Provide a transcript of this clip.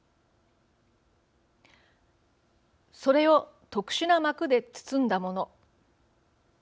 それを特殊な膜で包んだもの